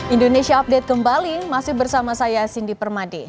indonesia update kembali masih bersama saya cindy permade